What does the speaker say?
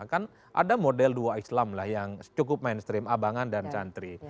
kan ada model dua islam lah yang cukup mainstream abangan dan santri